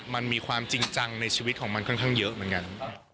มันมีความจริงจังในชีวิตของมันค่อนข้างเยอะเหมือนกัน